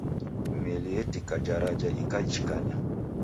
Meli yetika jaraja ikaichikanya